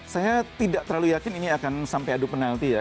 saya tidak terlalu yakin ini akan sampai adu penalti ya